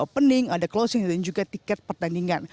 opening ada closing dan juga tiket pertandingan